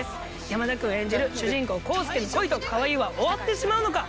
山田くん演じる主人公康介の恋とかわいいは終わってしまうのか？